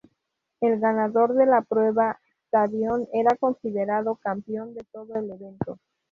El ganador de la prueba "stadion" era considerado campeón de todo el evento.